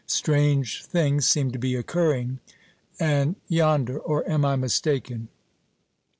Strange things seem to be occurring, and yonder or am I mistaken?